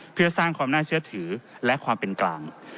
เพื่อสร้างความน่าเชื่อถือและความเป็นกลาง